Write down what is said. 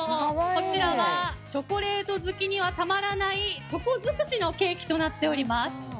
こちらはチョコレート好きにはたまらないチョコ尽くしのケーキとなっております。